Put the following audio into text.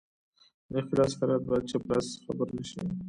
د ښي لاس خیرات باید چپ لاس خبر نشي.